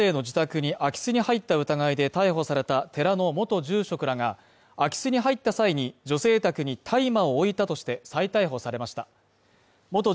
知人女性の自宅に空き巣に入った疑いで逮捕された寺の元住職らが空き巣に入った際に、女性宅に大麻を置いたとして再逮捕されました。